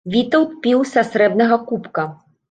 Вітаўт піў са срэбнага кубка.